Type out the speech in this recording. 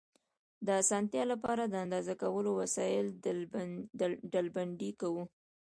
د اسانتیا لپاره د اندازه کولو وسایل ډلبندي کوو.